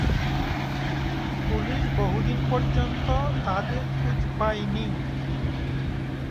Police বহুদিন পর্যন্ত তাদের খোঁজ পায়নি।